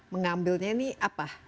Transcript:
mengambilnya ini apa